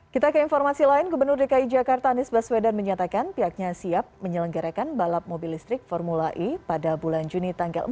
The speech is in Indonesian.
kita ke informasi lain gubernur dki jakarta anies baswedan menyatakan pihaknya siap menyelenggarakan balap mobil listrik formula e pada bulan juni tanggal empat